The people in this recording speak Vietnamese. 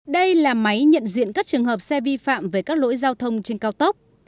đây là máy nhận diện các trường hợp xe vi phạm về các lỗi giao thông trên cao tốc